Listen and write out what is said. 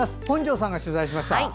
本庄さんが取材しました。